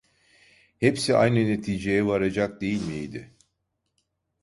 Hepsi aynı neticeye varacak değil miydi?